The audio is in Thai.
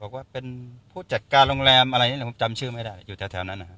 บอกว่าเป็นผู้จัดการโรงแรมอะไรอย่างนี้ผมจำชื่อไม่ได้อยู่แถวนั้นนะครับ